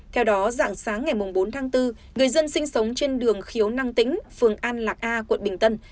theo đó dạng sáng ngày bốn tháng bốn người dân sinh sống trên đường khiếu năng tĩnh phường an lạc a quận bình tân